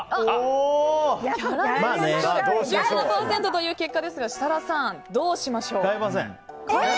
５７％という結果ですが設楽さん、どうしましょう？え？